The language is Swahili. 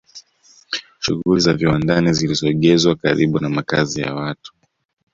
shughuli za viwandani zilisogezwa karibu na makazi ya watu